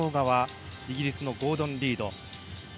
イギリスのゴードン・リード。